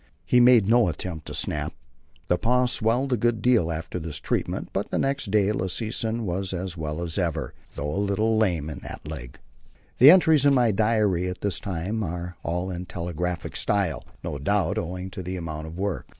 He made no attempt to snap. The paw swelled a good deal after this treatment, but next day Lassesen was as well as ever, though a little lame in that leg. The entries in my diary at this time are all in telegraphic style, no doubt owing to the amount of work.